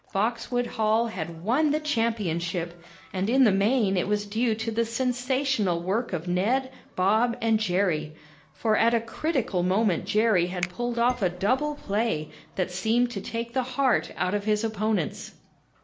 Boxwood Hall had won the championship, and in the main it was due to the sensational work of Ned, Bob and Jerry. For at a critical moment Jerry had pulled off a double play that seemed to take the heart out of his opponents.